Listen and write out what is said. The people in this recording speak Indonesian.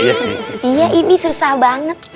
iya ini susah banget